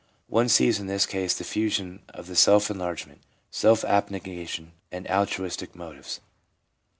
One sees in this case the fusion of the self enlargement, self abnegation, and altruistic motives.